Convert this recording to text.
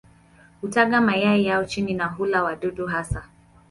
Hutaga mayai yao chini na hula wadudu hasa.